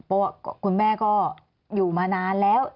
เพราะว่าคุณแม่ก็อยู่มานานแล้ว